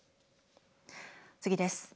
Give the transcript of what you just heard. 次です。